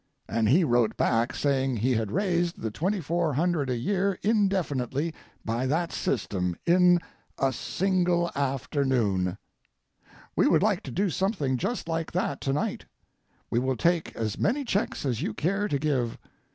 And he wrote back saying he had raised the $2400 a year indefinitely by that system in a single afternoon. We would like to do something just like that to night. We will take as many checks as you care to give.